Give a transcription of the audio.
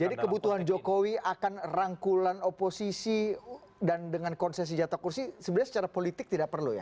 jadi kebutuhan jokowi akan rangkulan oposisi dan dengan konsesi jatuh kursi sebenarnya secara politik tidak perlu ya